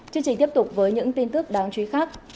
chương trình tiếp tục với những tin tức đáng chú ý khác